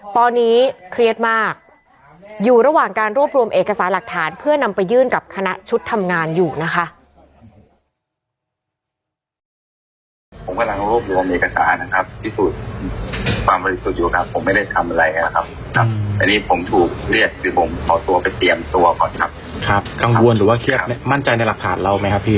ตอนนี้เครียดมากอยู่ระหว่างการรวบรวมเอกสารหลักฐานเพื่อนำไปยื่นกับคณะชุดทำงานอยู่นะคะ